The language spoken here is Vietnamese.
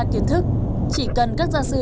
chị cho chị cái mã gia sư